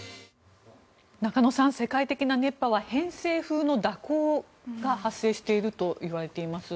中野さん、世界的な熱波は偏西風の蛇行が発生していると言われています。